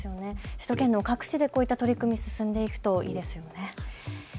首都圏の各地でこういった取り組み進んでいくといいですよね。